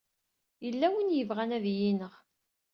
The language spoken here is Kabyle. Yella win i yebɣan ad yi-ineɣ.